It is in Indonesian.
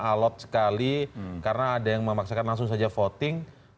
alot sekali karena ada yang memaksakan langsung saja voting